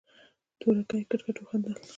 تورکي کټ کټ وخندل.